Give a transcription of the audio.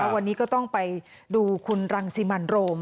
วันนี้ก็ต้องไปดูคุณรังสิมันโรม